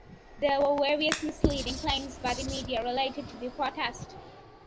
There were various misleading claims by the media related to the protest.